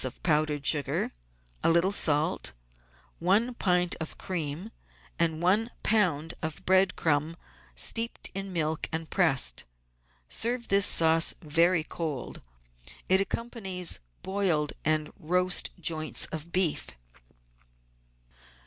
of powdered sugar, a little salt, one pint of cream, and one lb. of bread crumb steeped in milk and pressed. Serve this sauce very cold. It accompanies boiled and roast joints of beef.